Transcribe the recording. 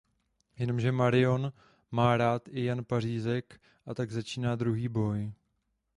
Jenomže Marion má rád i Jan Pařízek a tak začíná druhý boj.